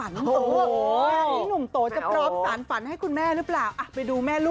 ลูกสไบคนนี้ครับอุ๊ย